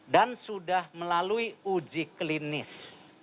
dan sudah melalui uji klinis